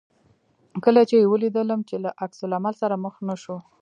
کله چې یې ولیدل چې له عکس العمل سره مخ نه شو.